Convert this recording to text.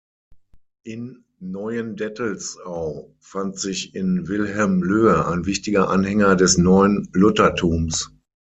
In Neuendettelsau fand sich in Wilhelm Löhe ein wichtiger Anhänger des neuen Luthertums.